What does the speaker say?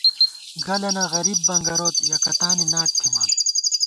گلَنہ غریب بنگَروت ، یَکَتانی ناٹ تھِمان